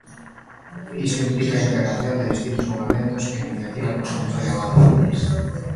Iso implica a integración de distintos movementos e iniciativas no proceso de avance.